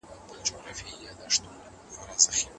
مازیګر خپله وروستۍ ساه د غره تر شا ورکړه.